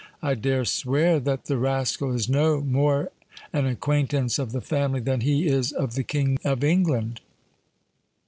I dare swear that the rascal is no more an acquaintance of the family than he is of the King of England."